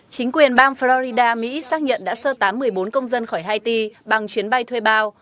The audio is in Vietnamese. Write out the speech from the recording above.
chính quyền bang florida mỹ xác nhận đã sơ tán một mươi bốn công dân khỏi haiti bằng chuyến bay thuê bao